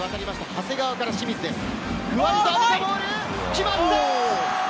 決まった！